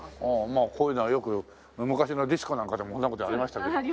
まあこういうのはよく昔のディスコなんかでもそんな事ありましたけども。